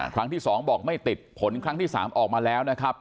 ครั้งที่๒บอกไม่ติดผลครั้งที่๓ออกมาแล้วนะครับ